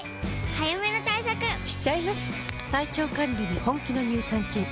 早めの対策しちゃいます。